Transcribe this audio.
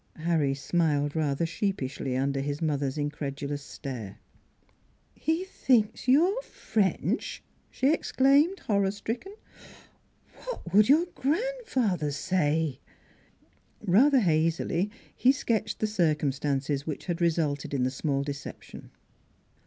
Harry smiled rather sheepishly under his mother's incredulous stare. "He thinks you are French!" she exclaimed, horror stricken. " What would your grandfather say?" 2 4 o NEIGHBORS Rather hazily he sketched the circumstances which had resulted in the small deception.